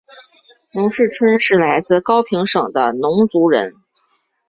农氏春是来自高平省的侬族人。